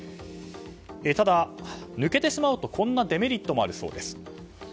ただ、抜けてしまうとこんなデメリットもあるそうです。